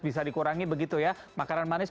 bisa dikurangi begitu ya makanan manis